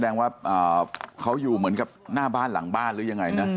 แสดงว่าเขาอยู่เหมือนกับหน้าบ้านหลังบ้านหรือยังไงนะ